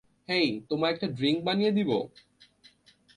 হেই, তোমায় একটা ড্রিঙ্ক বানিয়ে দেবো?